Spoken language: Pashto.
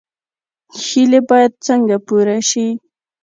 هیلې باید څنګه پوره شي؟